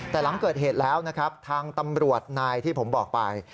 แต่หลังเกิดเหตุแล้วนะครับทางตำรวจนายที่ผมบอกไป